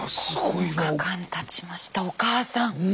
９日間たちましたお母さん。